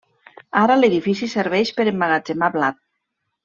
Ara l'edifici serveix per emmagatzemar blat.